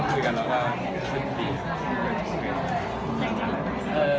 เพราะมันเป็นสิ่งที่ควบเร็จของเรา